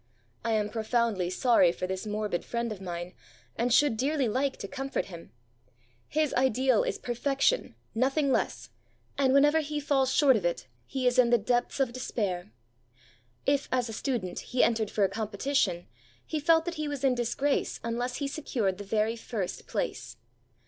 I am profoundly sorry for this morbid friend of mine, and should dearly like to comfort him. His ideal is perfection, nothing less; and whenever he falls short of it he is in the depths of despair. If, as a student, he entered for a competition, he felt that he was in disgrace unless he secured the very first place.